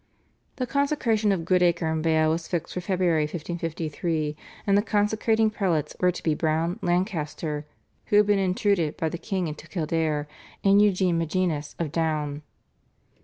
" The consecration of Goodacre and Bale was fixed for February 1553, and the consecrating prelates were to be Browne, Lancaster, who had been intruded by the king into Kildare, and Eugene Magennis of Down.